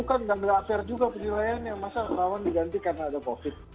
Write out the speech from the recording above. bukan nggak fair juga penilaiannya masa pak terawan diganti karena ada covid